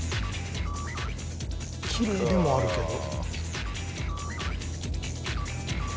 きれいでもあるけど。